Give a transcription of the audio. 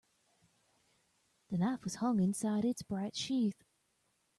The knife was hung inside its bright sheath.